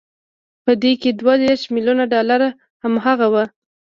په دې کې دوه دېرش ميليونه ډالر هماغه وو.